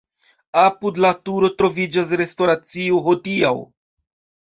Apud la turo troviĝas restoracio hodiaŭ.